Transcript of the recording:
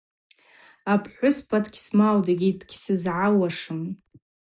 Апхӏвыспа дгьсмаутӏ йгьи дгьсызгӏауашым.